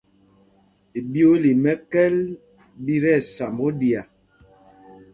Iɓyōōla í mɛ́kɛ́l ɓí tí ɛsamb oɗiá.